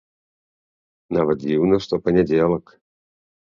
Нават дзіўна, што панядзелак.